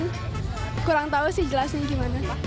kurang tahu sih jelasnya gimana pak